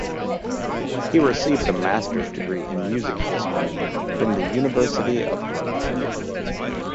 He received a master's degree in music history from the University of Hartford.